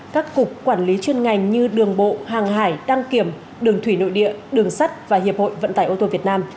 các cục quản lý chuyên ngành như đường bộ hàng hải đăng kiểm đường thủy nội địa đường sắt và hiệp hội vận tải ô tô việt nam